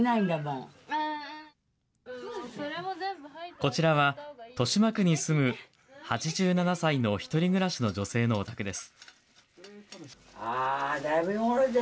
こちらは豊島区に住む８７歳の１人暮らしの女性のお宅です。